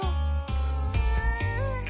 うん。